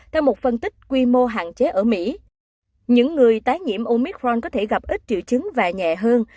theo một phân tích quy mô hạn chế ở mỹ những người tái nhiễm omicron có thể gặp ít triệu chứng và triệu chứng